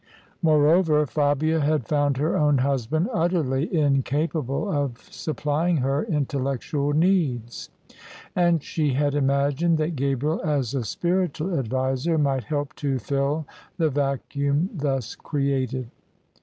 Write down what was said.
Moreover, Fabia had found her own husband utterly incapable of supplying her intellectual needs: and she had imagined that Gabriel, as a spiritual adviser, might help to fill the vacuum thus created.